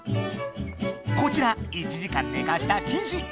こちら１時間寝かした生地！